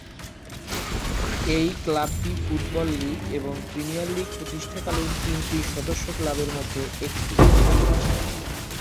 এই ক্লাবটি football league এবং প্রিমিয়ার লীগ প্রতিষ্ঠাকালীন তিনটি সদস্য ক্লাবের মধ্যে একটি।